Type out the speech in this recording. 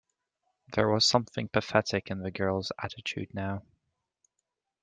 There was something pathetic in the girl's attitude now.